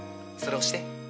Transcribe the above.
それ押して。